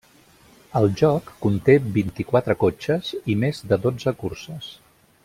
El joc conté vint-i-quatre cotxes i més de dotze curses.